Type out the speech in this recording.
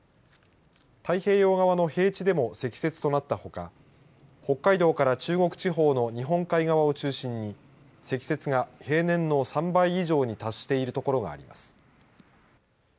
太平洋側の平地でも積雪となったほか北海道から中国地方の日本海側を中心に積雪が平年の３倍以上に達している所があります。